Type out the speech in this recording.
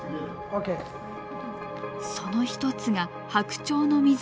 その一つが「白鳥の湖」。